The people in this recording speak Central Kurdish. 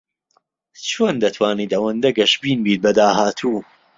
چۆن دەتوانیت ئەوەندە گەشبین بیت بە داهاتوو؟